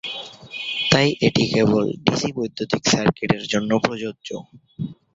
তাই এটি কেবল ডিসি বৈদ্যুতিন সার্কিট এর জন্য প্রযোজ্য।